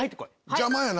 邪魔やな。